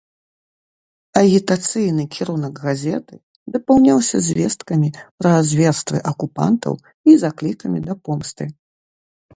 Агітацыйны кірунак газеты дапаўняўся звесткамі пра зверствы акупантаў і заклікамі да помсты.